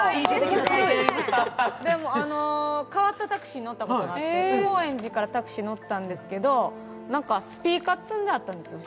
変わったタクシーに乗ったことあって高円寺からタクシー乗ったんですけど、スピーカーが積んであったんです。